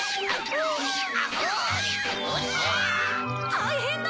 たいへんだ！